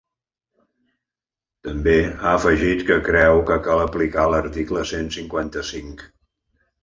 També ha afegit que creu que cal aplicar l’article cent cinquanta-cinc.